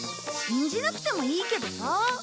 信じなくてもいいけどさ。